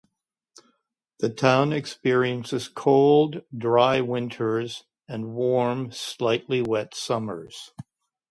The town experiences cold, dry winters and warm, slightly wet summers.